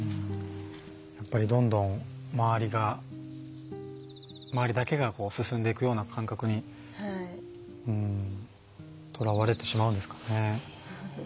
やっぱり、どんどん周りだけが進んでいくような感覚にとらわれてしまうんですかね。